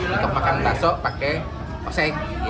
maka makan bakso pakai ose